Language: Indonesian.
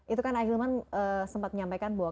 itu kan pak hilman sempat menyampaikan bahwa